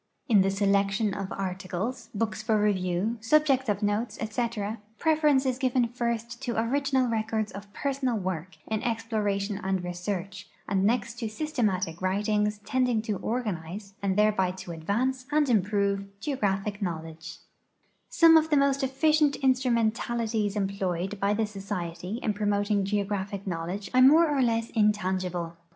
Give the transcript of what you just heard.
MEETING OF THE NATIONAL GEOGRAPHIC SOCIETY, MAY 16, 1896 NATIONAL GEOGRAPHIC SOCIETY 259 tion of articles, books for review, subjects of notes, etc, preference is given first to original records of personal work in exploration and research, and next to systematic writings tending to organ ize, and thereby to advance and improve, geographic knowledge. Some of the most efficient instrumentalities employed by the Society in |)romoting geographic knowledge are more or less in tangible.